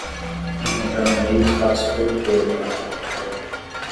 Encontrando meios para sobreviver diante da tragédia